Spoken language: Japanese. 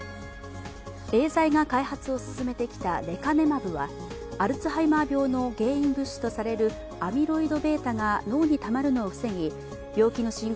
エーザイが開発を進めてきたのはレカネマブはアルツハイマー病の原因物質とされるアミロイドβが脳にたまるのを防ぎ、病気の進行